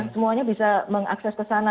semuanya bisa mengakses ke sana